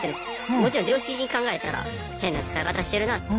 もちろん常識的に考えたら変な使い方してるな。